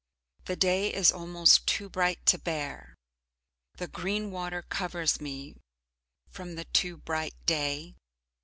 The day is almost too bright to bear, the green water covers me from the too bright day.